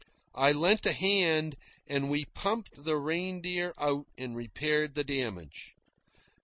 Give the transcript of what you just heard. I lent a hand, and we pumped the Reindeer out and repaired the damage.